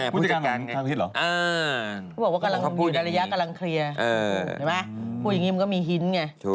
ผู้จัดการทางพิษเหรอพูดอย่างงี้พูดอย่างงี้พูดอย่างงี้มันก็มีฮิ้นไง